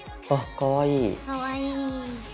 かわいい。